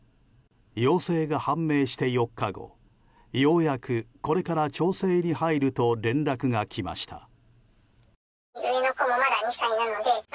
陽性が判明して４日後ようやく、これから調整に入ると連絡が来ました。